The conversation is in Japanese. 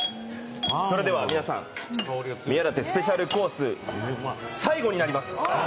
それでは皆さん、宮舘スペシャルコース、最後になります。